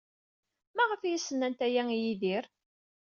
Maɣef ay as-nnant aya i Yidir?